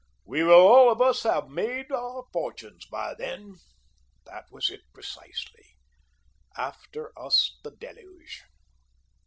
"We will all of us have made fortunes by then." That was it precisely. "After us the deluge."